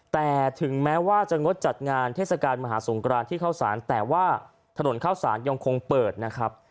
แต่ถึงแม้ว่าจะงดจัดงานเทศกาลมหาสงครานที่เข้าสารแต่ว่าถนนข้าวสารยังคงเปิดนะครับ